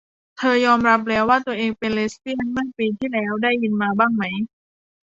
เธอยอมรับแล้วว่าตัวเองเป็นเลสเบียนเมื่อปีที่แล้ว ได้ยินมาบ้างไหม ?